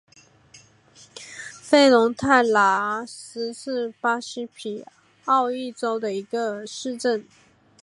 弗龙泰拉斯是巴西皮奥伊州的一个市镇。